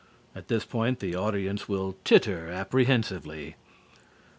(At this point the audience will titter apprehensively).